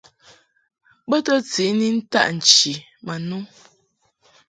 Bɨ to tiʼ ni ntaʼ nchi ma no.